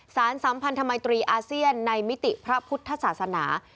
สัมพันธมัยตรีอาเซียนในมิติพระพุทธศาสนา